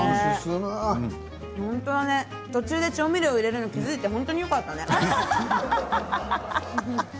途中で調味料を入れるの気付いて本当によかったね。